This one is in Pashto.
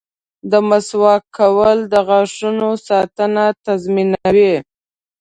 • د مسواک کول د غاښونو ساتنه تضمینوي.